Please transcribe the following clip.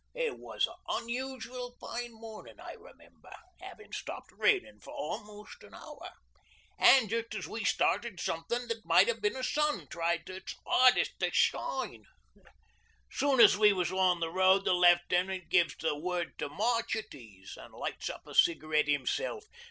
It was an unusual fine mornin' I remember, 'avin' stopped rainin' for almost an hour, an' just as we started somethin' that might 'ave been a sun tried 'is 'ardest to shine. Soon as we was on the road the Left'nant gives the word to march at ease, an' lights up a cig'rette 'imself.